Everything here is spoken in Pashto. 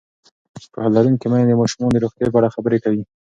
پوهه لرونکې میندې د ماشومانو د روغتیا په اړه خبرې کوي.